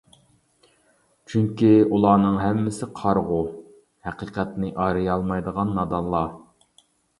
چۈنكى ئۇلارنىڭ ھەممىسى قارىغۇ، ھەقىقەتنى ئايرىيالمايدىغان نادانلار.